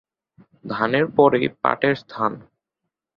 ধানের পরেই পাটের স্থান।